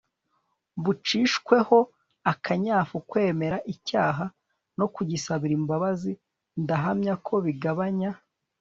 bucishweho akanyafu. kwemera icyaha no kugisabira imbabazi ndahamya ko bigabanya